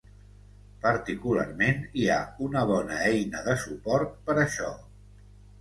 Particularment, hi ha una bona eina de suport per això.